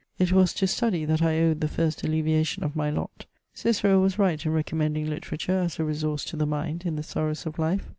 It was to study that I owed the first alleviation of my lot ; Cicero was right in re commending literature as a resource to the mind in the sorrows of life.